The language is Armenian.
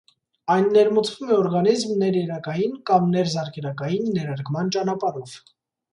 Այն ներմուծվում է օրգանիզմ ներերակային կամ ներզարկերակային ներարկման ճանապարհով։